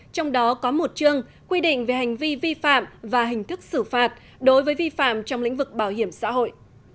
trong đó có một chương quy định về hành vi vi phạm và hình thức xử phạt đối với vi phạm trong lĩnh vực bảo hiểm xã hội